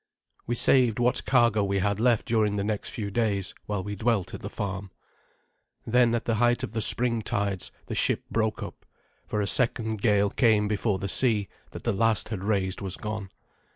We saved what cargo we had left during the next few days, while we dwelt at the farm. Then at the height of the spring tides the ship broke up, for a second gale came before the sea that the last had raised was gone.